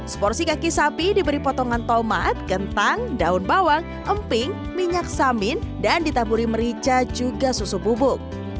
seporsi kaki sapi diberi potongan tomat kentang daun bawang emping minyak samin dan ditaburi merica juga susu bubuk